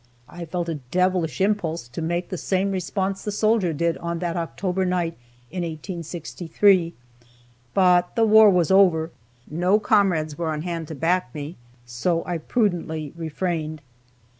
I felt a devilish impulse to make the same response the soldier did on that October night in 1863, but the war was over, no comrades were on hand to back me, so I prudently refrained.